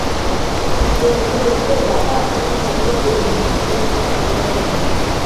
যোগেন্দ্র কহিল, বাবা, তুমি ভাবিলে চলিবে না, হেমের কাছে একবার চলো।